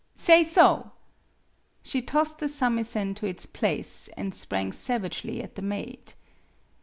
Say so!" She tossed the samisen to its place, and sprang savagely at the maid.